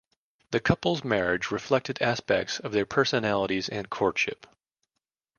The couple's marriage reflected aspects of their personalities and courtship.